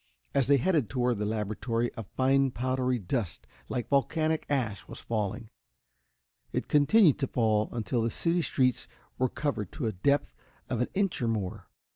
As they headed toward the laboratory, a fine, powdery dust, like volcanic ash was falling. It continued to fall until the city streets were covered to a depth of an inch or more.